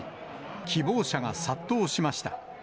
希望者が殺到しました。